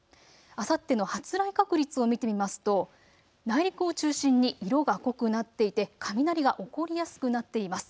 あさっての発雷確率を見てみますと内陸を中心に色が濃くなっていて雷が起こりやすくなっています。